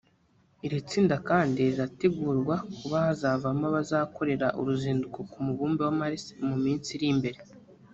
Iri tsinda kandi rirategurwa kuba hazavamo abazakorera uruzinduko ku mubumbe wa Mars mu minsi iri imbere